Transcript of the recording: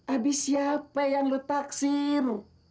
abis siapa yang lu taksir